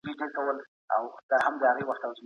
ميرمن بايد شرعي حدود مراعات کړي.